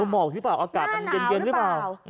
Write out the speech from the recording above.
หมอกหรือเปล่าอากาศมันเย็นหรือเปล่า